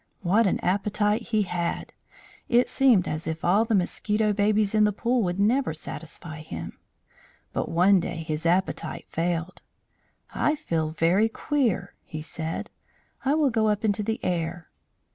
What an appetite he had! It seemed as if all the mosquito babies in the pool would never satisfy him. But one day his appetite failed. "I feel very queer," he said. "I will go up into the air."